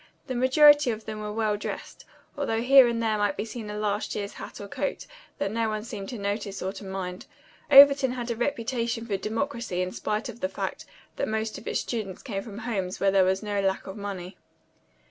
The majority of them were well dressed, although here and there might be seen a last year's hat or coat that no one seemed to notice or to mind. Overton had a reputation for democracy in spite of the fact that most of its students came from homes where there was no lack of money.